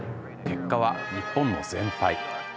結果は日本の全敗。